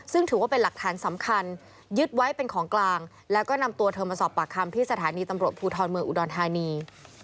ซึ่งถือว่าเป็นหลักฐานสำคัญยึดไว้เป็นของกลางแล้วก็นำตัวเธอมาสอบปากคำที่สถานีตำรวจภูทรเมืองอุดรธานี